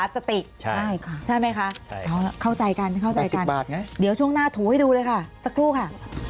ใช่ไหมคะเอาละเข้าใจกันเข้าใจกันเดี๋ยวช่วงหน้าถูให้ดูเลยค่ะสักครู่ค่ะ